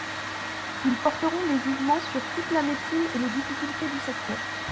Ils porteront des jugements sur toute la médecine et les difficultés du secteur.